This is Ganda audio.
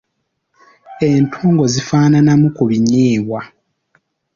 Entungo zifaananamu ku binyeebwa.